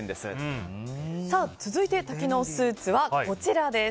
続いての多機能スーツケースはこちら。